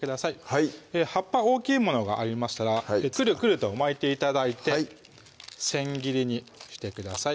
はい葉っぱ大きいものがありましたらくるくると巻いて頂いて千切りにしてください